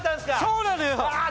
そうなのよ！